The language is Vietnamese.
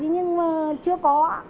nhưng mà chưa có